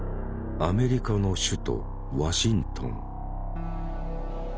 アメリカの首都ワシントン。